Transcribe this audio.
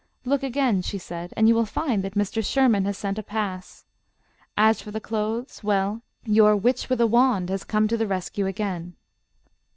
"Look again," she said, "and you will find that Mr. Sherman has sent a pass. As for the clothes, well, your 'witch with a wand' has come to the rescue again."